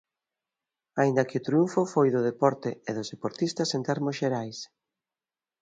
Aínda que o triunfo foi do deporte e dos deportistas en termos xerais.